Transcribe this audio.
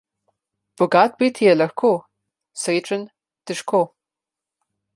Bogat biti je lahko, srečen - težko.